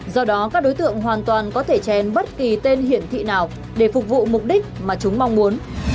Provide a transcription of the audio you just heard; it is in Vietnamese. do đó các đối tượng hoàn toàn có thể trèn bất kỳ tên hiển thị nào để phục vụ mục đích mà chúng mong muốn